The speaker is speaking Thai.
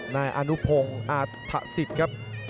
นายอานุพงอาทธสิตครับ